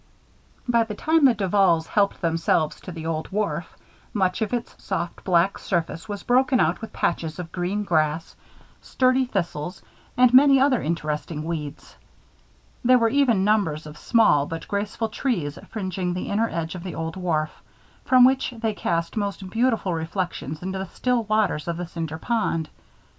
By the time the Duvals helped themselves to the old wharf, much of its soft black surface was broken out with patches of green grass, sturdy thistles, and many other interesting weeds. There were even numbers of small but graceful trees fringing the inner edge of the old wharf, from which they cast most beautiful reflections into the still waters of the Cinder Pond.